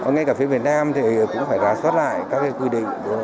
ngay cả phía việt nam thì cũng phải rà soát lại các quy định